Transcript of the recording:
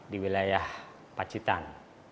di wilayah pacitan